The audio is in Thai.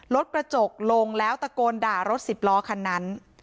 รถกระจกลงแล้วตะโกนด่ารถสิบล้อคันนั้น